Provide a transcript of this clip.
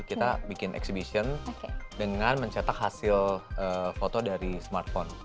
kita bikin exhibition dengan mencetak hasil foto dari smartphone